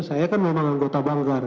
saya kan memang anggota banggar